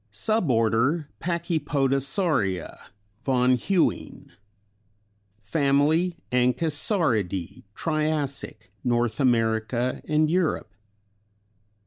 Suborder Pachypodosauria von Huene. Fam. Anchisauridæ Triassic, North America and Europe.